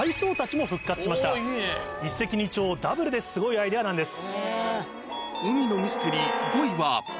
一石二鳥ダブルですごいアイデアなんです。